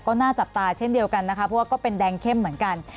ก็น่าจับตาเช่นเดียวกันนะคะเพราะว่าก็เป็นแดงเข้มเหมือนกัน